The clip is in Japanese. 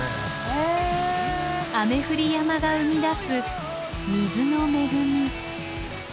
雨降り山が生み出す水の恵み。